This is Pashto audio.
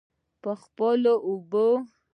په خپلو اوبو.